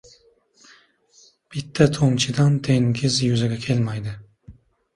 • Bitta tomchidan dengiz yuzaga kelmaydi.